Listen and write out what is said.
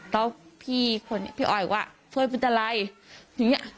แล้วพี่ออยว่าเพื่อนเป็นอะไร